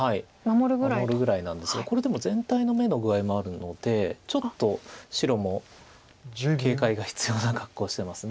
守るぐらいなんですがこれでも全体の眼の具合もあるのでちょっと白も警戒が必要な格好してます